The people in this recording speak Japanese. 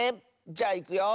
じゃあいくよ。